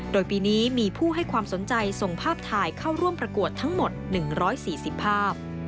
โดยปีนี้มีผู้ให้ความสนใจส่งภาพถ่ายเข้าร่วมประกวดทั้งหมด๑๔๐ภาพ